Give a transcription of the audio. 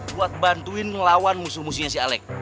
buat bantuin ngelawan musuh musuhnya si alek